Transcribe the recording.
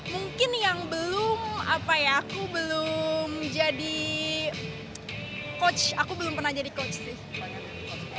mungkin yang belum apa ya aku belum jadi coach aku belum pernah jadi coach sih